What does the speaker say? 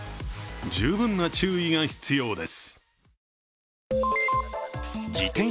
十分な注意が必要です。